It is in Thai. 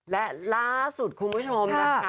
และล่าสุดคุณผู้ชมนะคะ